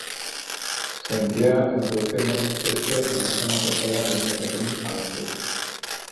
Se emplea introduciendo este en la zona afectada por una pequeña abertura.